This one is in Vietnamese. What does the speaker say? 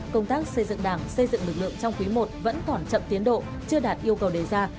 công tác xây dựng đảng xây dựng lực lượng trong quý i vẫn còn chậm tiến độ chưa đạt yêu cầu đề ra